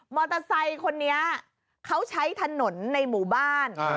มอเตอร์ไซค์คนนี้เขาใช้ถนนในหมู่บ้าน